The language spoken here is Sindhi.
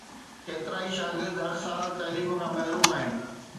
ڪيترائي شاگرد هر سال تعليم کان محروم آهن